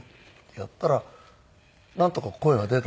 やったらなんとか声が出たのでね。